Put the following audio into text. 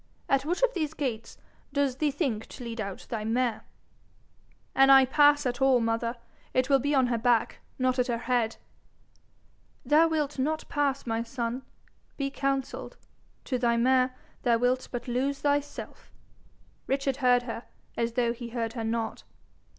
At which of these gates does thee think to lead out thy mare?' 'An' I pass at all, mother, it will be on her back, not at her head.' 'Thou wilt not pass, my son. Be counselled. To thy mare, thou wilt but lose thyself.' Richard heard her as though he heard her not.